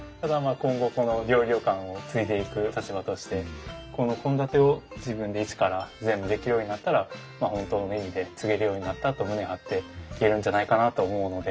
今後この料理旅館を継いでいく立場としてこの献立を自分で一から全部できるようになったら本当の意味で継げるようになったと胸張って言えるんじゃないかなと思うので。